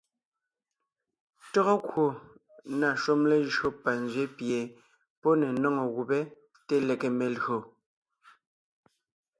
Tÿɔ́gɔ kwò na shúm lejÿó panzwě pie pɔ́ ne nóŋo gubé te lege melÿò.